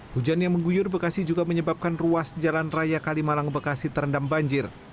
hujan yang mengguyur bekasi juga menyebabkan ruas jalan raya kalimalang bekasi terendam banjir